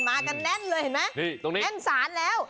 มากันแน่นเลยเห็นไหมแน่นสารแล้ว